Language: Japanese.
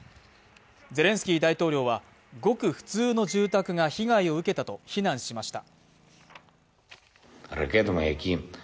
ゼレンスキー大統領はごく普通の住宅が被害を受けたと非難しました